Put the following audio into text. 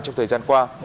trong thời gian qua